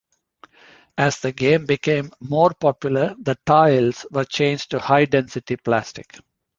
As the game became more popular, the tiles were changed to high-density plastic.